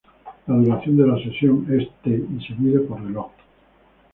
La duración de la sesión es "t" y se mide por reloj.